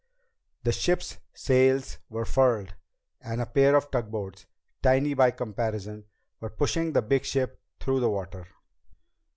The ship's sails were furled and a pair of tugboats, tiny by comparison, were pushing the big ship through the water.